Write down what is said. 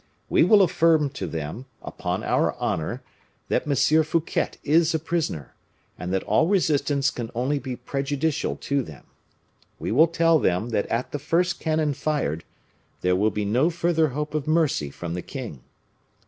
We will affirm to them, upon our honor, that M. Fouquet is a prisoner, and that all resistance can only be prejudicial to them. We will tell them that at the first cannon fired, there will be no further hope of mercy from the king.